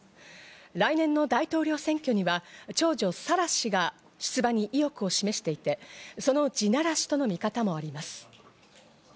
来年の大統領選挙には長女・サラ氏が出馬に意欲を示していて、その地ならしとの見方もあります。